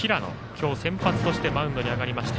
今日、先発としてマウンドに上がりました。